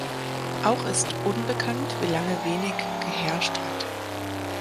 Auch ist unbekannt, wie lange Weneg geherrscht hat.